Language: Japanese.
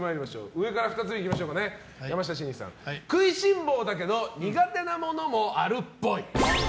上から２つ目山下真司さん、くいしん坊だけど苦手なものもあるっぽい。